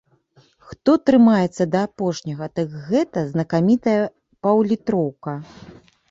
Хто трымаецца да апошняга, дык гэта знакамітая паўлітроўка.